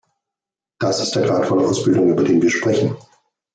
Das ist der Grad von Ausbildung, über den wir sprechen.